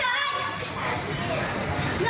เงินของพวกมึง